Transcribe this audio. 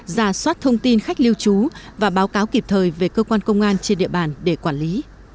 giả soát thông tin khách lưu trú và báo cáo kịp thời về cơ quan công an trên địa bàn để quản lý